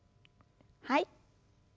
はい。